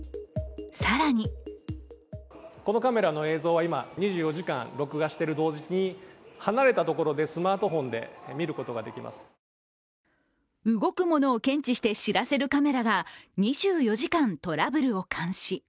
更に動くものを検知して知らせるカメラが２４時間トラブルを監視。